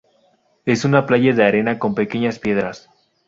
Es una playa de arena con pequeñas piedras.